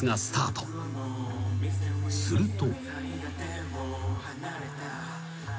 ［すると］